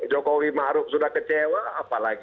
jokowi maruf sudah kecewa